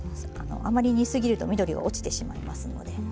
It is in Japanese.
あまり煮過ぎると緑が落ちてしまいますので。